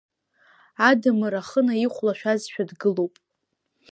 Адамыр ахы наихәлашәазшәа дгылоуп.